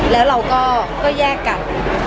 แล้วเราก็แยกกัน